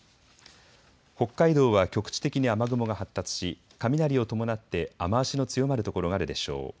北海道は局地的に雨雲が発達し雷を伴って雨足の強まる所があるでしょう。